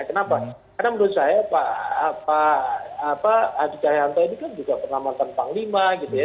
kenapa karena menurut saya pak haji jayahanto ini kan juga penamatan panglima gitu ya